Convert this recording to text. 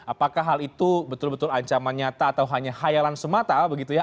apakah hal itu betul betul ancaman nyata atau hanya khayalan semata begitu ya